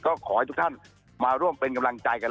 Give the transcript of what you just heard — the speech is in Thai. ก็ขอให้ทุกท่านมาร่วมเป็นกำลังใจกัน